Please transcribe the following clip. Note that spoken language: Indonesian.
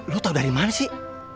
lu tahu dari mana sih